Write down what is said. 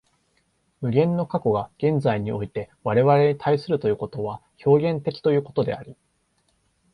無限の過去が現在において我々に対するということは表現的ということであり、